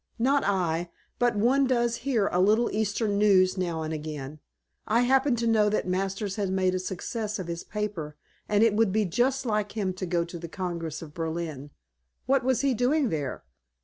"Not I. But one does hear a little Eastern news now and again. I happen to know that Masters has made a success of his paper and it would be just like him to go to the Congress of Berlin. What was he doing there?"